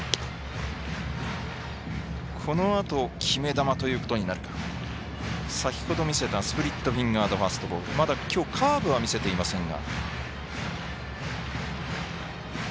このあと決め球ということになるのが先ほど見せたスプリットフィンガードファストボールきょうはカーブは見せていませんが。